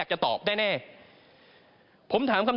ข้อนี้ครับ